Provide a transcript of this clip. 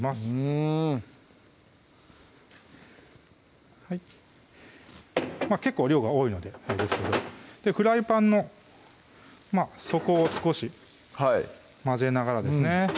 うん結構量が多いのでフライパンの底を少し混ぜながらですね